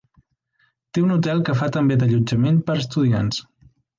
Té un hotel que fa també d'allotjament per a estudiants.